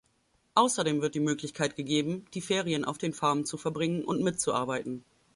Außerdem wird die Möglichkeit gegeben, die Ferien auf den Farmen zu verbringen und mitzuarbeiten.